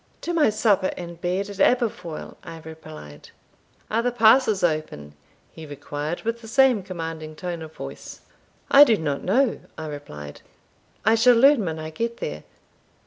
"To my supper and bed at Aberfoil," I replied. "Are the passes open?" he inquired, with the same commanding tone of voice. "I do not know," I replied; "I shall learn when I get there.